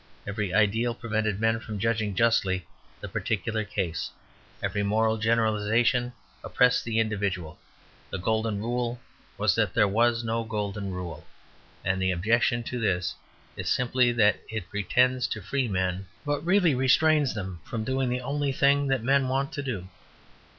Every ideal prevented men from judging justly the particular case; every moral generalization oppressed the individual; the golden rule was there was no golden rule. And the objection to this is simply that it pretends to free men, but really restrains them from doing the only thing that men want to do.